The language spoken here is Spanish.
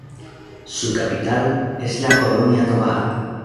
Su capital es la Colonia Tovar.